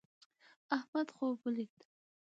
احمد خوب ولید